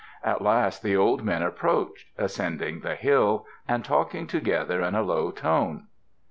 At last the old men approached, ascending the hill, and talking together in a low tone.